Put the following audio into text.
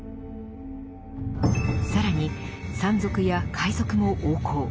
更に山賊や海賊も横行。